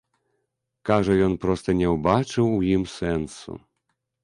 Кажа, ён проста не ўбачыў у ім сэнсу.